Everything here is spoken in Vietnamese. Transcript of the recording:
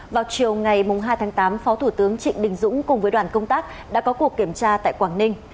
vào chiều ngày hai tháng tám phó thủ tướng trịnh đình dũng cùng với đoàn công tác đã có cuộc kiểm tra tại quảng ninh